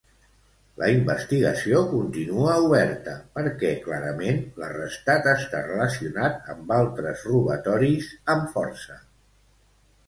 La investigació continua oberta perquè clarament l'arrestat està relacionat amb altres robatoris amb força.